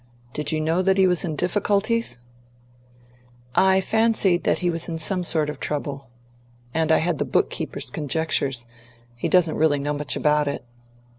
Did you know that he was in difficulties?" "I fancied that he was in some sort of trouble. And I had the book keeper's conjectures he doesn't really know much about it."